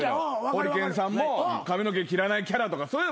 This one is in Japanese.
ホリケンさんも髪の毛切らないキャラとかそういう。